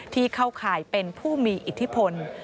ที่เข้าข่ายเป็นผู้มีอิทธิพล